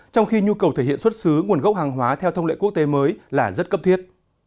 trong khi nhu cầu thể hiện xuất xứ nguồn gốc hàng hóa theo thông lệ quốc tế mới là rất cấp thiết